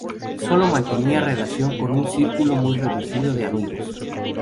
Sólo mantenía relación con un círculo muy reducido de amigos.